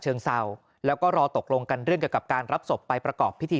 เชิงเศร้าแล้วก็รอตกลงกันเรื่องเกี่ยวกับการรับศพไปประกอบพิธี